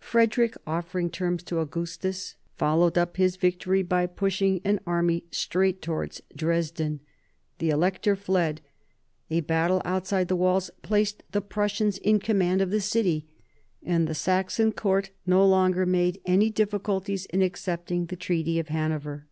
Frederick, offering terms to Augustus, followed up his victory by pushing an army straight towards Dresden. The Elector fled. A battle outside the walls placed the Prussians in command of the city, and the Saxon court no longer made any difficulties in accepting the Treaty of Hanover.